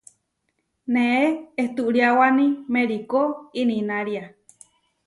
Neé ehturiáwani merikó ininária.